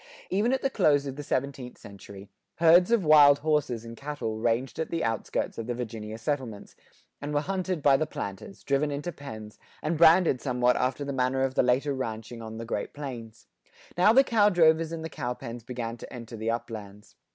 Even at the close of the seventeenth century, herds of wild horses and cattle ranged at the outskirts of the Virginia settlements, and were hunted by the planters, driven into pens, and branded somewhat after the manner of the later ranching on the Great Plains.[88:1] Now the cow drovers and the cow pens[88:2] began to enter the uplands.